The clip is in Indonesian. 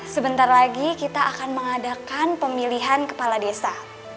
sebentar lagi kita akan mengadakan pemilihan kepala desa